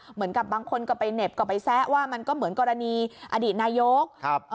เหมือนกับบางคนก็ไปเหน็บก็ไปแซะว่ามันก็เหมือนกรณีอดีตนายก